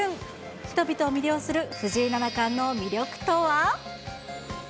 人々を魅了する藤井七冠の魅力とは。